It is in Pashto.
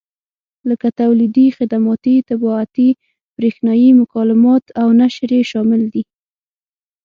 لکه تولیدي، خدماتي، طباعتي، برېښنایي مکالمات او نشر یې شامل دي.